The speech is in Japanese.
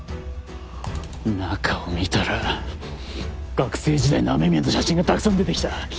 中を見たら学生時代の雨宮の写真がたくさん出てきた。